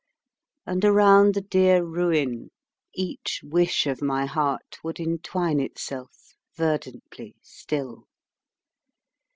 And around the dear ruin each wish of my heart Would entwine itself verdantly still.